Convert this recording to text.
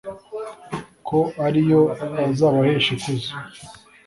kuko ari yo azabahesha ikuzo